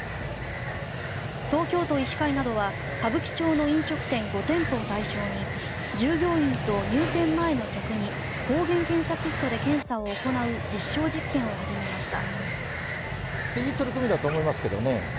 東京都医師会などは歌舞伎町の飲食店５店舗を対象に従業員と入店前の客に抗原検査キットで検査を行う実証実験を始めました。